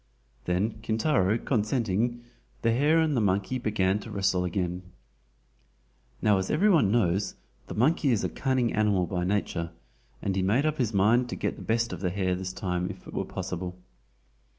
Then Kintaro consenting, the hare and the monkey began to wrestle again. Now, as every one knows, the monkey is a cunning animal by nature, and he made up his mind to get the best of the hare this time if it were possible.